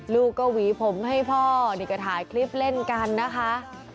ลูกก็หวีผมให้พ่อนี่ก็ถ่ายคลิปเล่นกันนะคะ